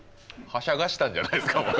はしゃがしたんじゃないですか。